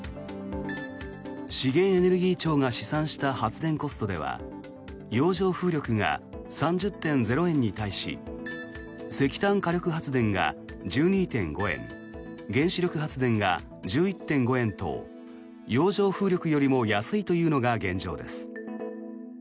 資源エネルギー庁が試算した発電コストでは洋上風力が３０．０円に対し石炭火力発電が１２．５円原子力発電が１１．５円と洋上風力よりも安いというのが現状です。